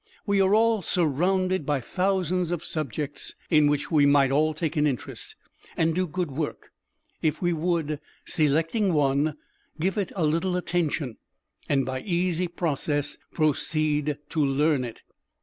We are all surrounded by thousands of subjects in which we might all take an interest, and do good work, if we would, selecting one, give it a little attention, and by easy process proceed to learn it.